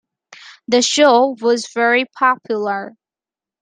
The show was very popular.